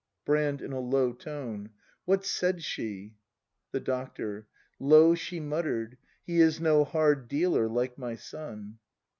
Brand. [In a low tone.] What said she ? The Doctor. Low she mutter'd : H e Is no hard dealer, like my son.